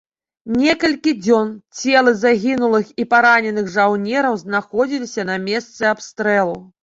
Некалькі дзён целы загінулых і параненых жаўнераў знаходзіліся на месцы абстрэлу.